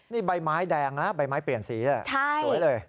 นี่ใบไม้แดงใบไม้เปลี่ยนสีใช่ไหม